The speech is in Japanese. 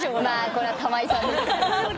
これは玉井さんです。